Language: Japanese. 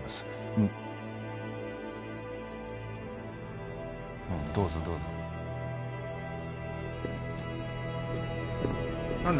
うんどうぞどうぞ何だよ